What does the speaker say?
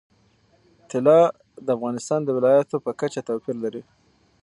طلا د افغانستان د ولایاتو په کچه توپیر لري.